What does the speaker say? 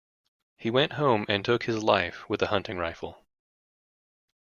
He went home and took his life with a hunting rifle.